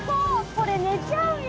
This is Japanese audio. これ寝ちゃうよ。